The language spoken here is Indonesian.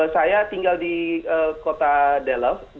saya tinggal di kota dellow